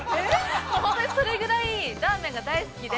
◆本当にそれぐらいラーメンが大好きで。